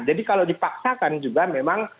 jadi kalau dipaksakan juga memang